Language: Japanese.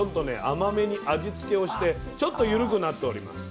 甘めに味つけをしてちょっと緩くなっております。